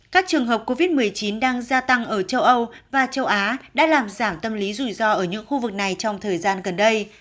các trường hợp covid một mươi chín đang gia tăng ở châu âu và châu á đã làm giảm tâm lý rủi ro ở những khu vực này trong thời gian gần đây